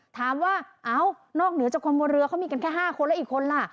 ถามว่าเอ้านอกเหนือจากคนบนเรือเขามีกันแค่๕คนแล้วอีกคนล่ะ